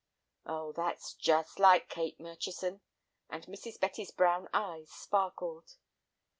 "Oh, that's just like Kate Murchison," and Mrs. Betty's brown eyes sparkled.